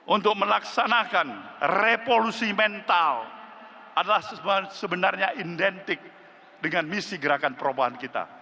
untuk melaksanakan revolusi mental adalah sebenarnya identik dengan misi gerakan perubahan kita